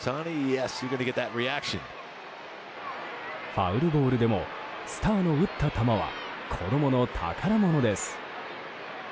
ファウルボールでもスターの打った球は子供の宝物です。